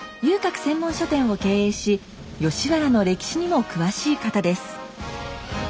遊郭専門書店を経営し吉原の歴史にも詳しい方です。